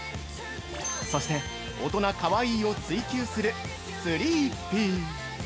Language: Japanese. そして、大人かわいいを追求するスリーピー。